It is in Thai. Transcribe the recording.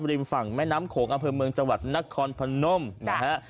ริมฝั่งแม่น้ำโขงอำเภอเมืองจังหวัดนครพนมนะฮะ